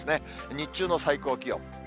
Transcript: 日中の最高気温。